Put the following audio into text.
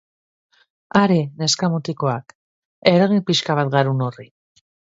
Are, neska-mutikoak, eragin pixka bat garun horri.